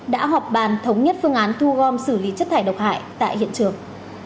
đã họp bàn thống nhất phương án thu gom xử lý chất thải độc hại tại hiện trường